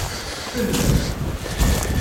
Sfel.